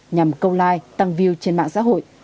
nhằm câu like tăng view trên mạng xã hội